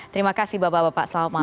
terima kasih bapak bapak selamat malam